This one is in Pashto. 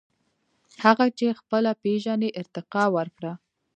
• هغه چې خپله پېژنې، ارتقاء ورکړه.